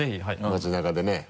街中でね。